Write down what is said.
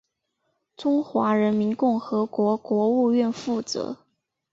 中华人民共和国国务院负责。